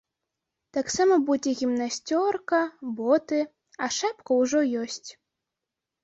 Таксама будзе гімнасцёрка, боты, а шапка ўжо ёсць.